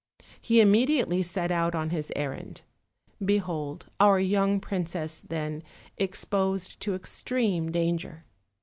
He immediately set out on his errand. Behold our young princess, then, exposed to extreme danger.